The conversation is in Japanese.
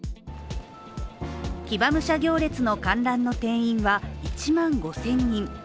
騎馬武者行列の観覧の定員は１万５０００人。